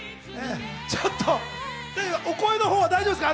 ちょっとお声の方は大丈夫ですか？